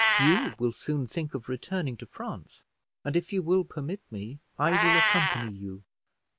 You will soon think of returning to France; and if you will permit me, I will accompany you."